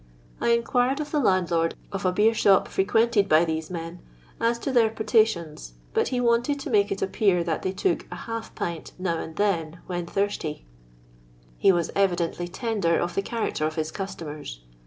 I inquired of the landlord of a beer shop, fre quented by these men, as to their potations, but he wanted to make it appear that they took a half pint, now and then, when thirsty I fie was evidently tender of the character of his customers.